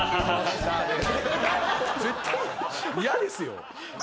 絶対やですよ。